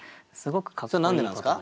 それ何でなんですか？